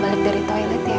mas rendy lagi apa ya